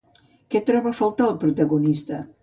Què troba a faltar el protagonista?